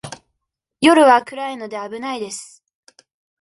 夜は暗いので、危ないです。